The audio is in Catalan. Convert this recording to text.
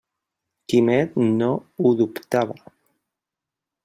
Quimet no ho dubtava.